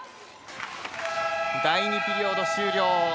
第２ピリオド終了。